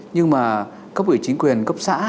nhưng mà cấp ủy chính quyền cấp xã